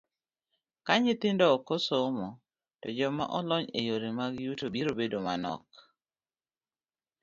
Ka nyithindo ok osomo, to joma olony e yore mag yuto biro bedo manok.